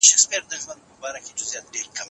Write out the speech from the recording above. ناشناس اعتراف وکړ، چي باید داسي تبصره یې نه